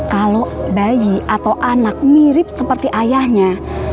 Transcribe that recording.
kalau bayi atau anak mirip seperti ayahnya